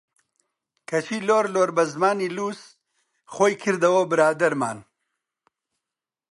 کەچی لۆر لۆر بە زمانی لووس، خۆی کردەوە برادەرمان!